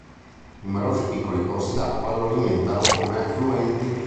Numerosi piccoli corsi d'acqua lo alimentano come affluenti.